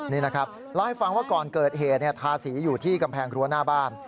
นี่นะครับเล่าให้ฟังว่าก่อนเกิดเหตุทาสีอยู่ที่กำแพงรั้วหน้าบ้าน